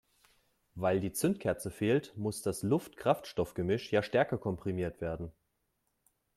Weil die Zündkerze fehlt, muss das Luft-Kraftstoff-Gemisch ja stärker komprimiert werden.